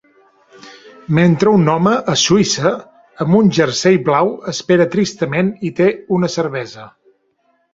Mentre un home a Suïssa amb un jersei blau espera tristament i té una cervesa